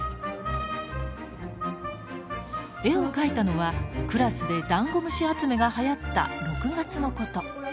絵を描いたのはクラスでダンゴムシ集めがはやった６月のこと。